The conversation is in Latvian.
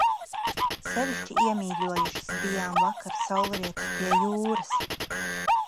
Sevišķi iemīļojušas bijām vakara saulrietus pie jūras.